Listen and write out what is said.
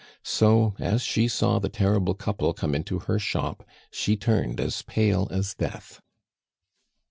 So, as she saw the terrible couple come into her shop, she turned as pale as death.